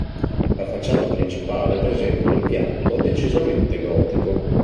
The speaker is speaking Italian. La facciata principale presenta un impianto decisamente gotico.